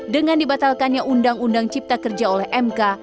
dengan dibatalkannya undang undang cipta kerja oleh mk